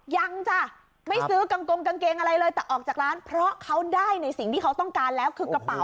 จ้ะไม่ซื้อกางกงกางเกงอะไรเลยแต่ออกจากร้านเพราะเขาได้ในสิ่งที่เขาต้องการแล้วคือกระเป๋า